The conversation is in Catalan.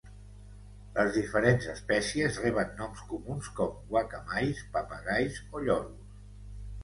Les diferents espècies reben noms comuns com guacamais, papagais o lloros.